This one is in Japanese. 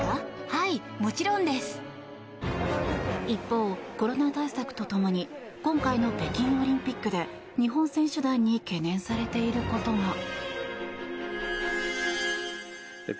一方、コロナ対策とともに今回の北京オリンピックで日本選手団に懸念されていることが。